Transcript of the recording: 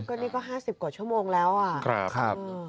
ก็นี่ก็๕๐กว่าชั่วโมงแล้วอ่ะครับ